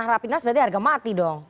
rapim nas berarti harga mati dong